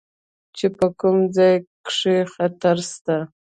چې په کوم ځاى کښې خطره سته.